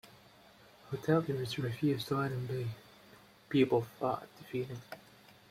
Hoteliers refused to let him pay; people fought to feed him.